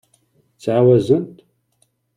Ttɛawazent?